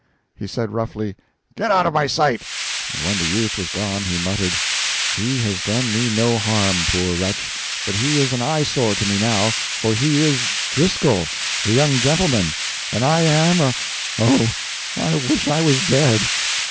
He said roughly "Get out of my sight!" and when the youth was gone, he muttered, "He has done me no harm, poor wretch, but he is an eyesore to me now, for he is Driscoll the young gentleman, and I am a oh, I wish I was dead!"